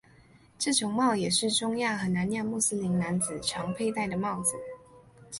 这种帽也是中亚和南亚穆斯林男子常佩戴的帽子。